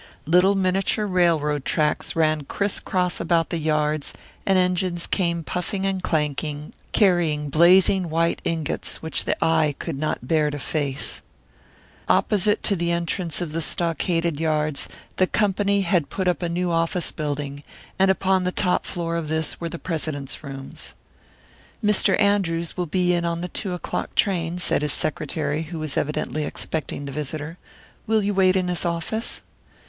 Little miniature railroad tracks ran crisscross about the yards, and engines came puffing and clanking, carrying blazing white ingots which the eye could not bear to face. Opposite to the entrance of the stockaded yards, the Company had put up a new office building, and upon the top floor of this were the president's rooms. "Mr. Andrews will be in on the two o'clock train," said his secretary, who was evidently expecting the visitor. "Will you wait in his office?"